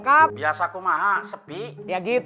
ke bau ini sampe kusbonesnya kayak gede